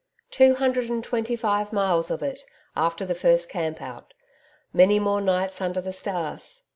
Two hundred and twenty five miles of it, after the first camp out. Many more nights under the stars.